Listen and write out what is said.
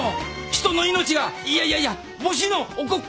人の命がいやいやいや母子の。